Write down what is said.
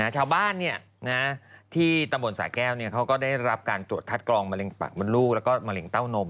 ชาวบ้านที่ตำบลสาแก้วเขาก็ได้รับการตรวจคัดกรองมะเร็งปากมดลูกแล้วก็มะเร็งเต้านม